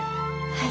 はい。